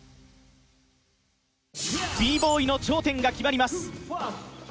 Ｂ−Ｂｏｙの頂点が決まります。